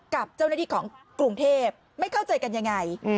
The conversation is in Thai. กับเจ้าหน้าที่ของกรุงเทพไม่เข้าใจกันยังไง